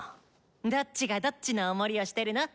どっちがどっちのお守りをしてるの？